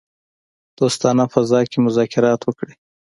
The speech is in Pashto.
دوستانه فضا کې مذاکرات وکړي.